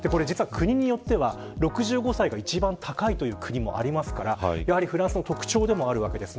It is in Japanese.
国によっては６５歳が一番高いというのもありますからフランスの特徴になっています。